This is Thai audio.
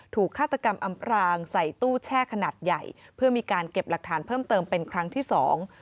ฆาตกรรมอำพรางใส่ตู้แช่ขนาดใหญ่เพื่อมีการเก็บหลักฐานเพิ่มเติมเป็นครั้งที่สอง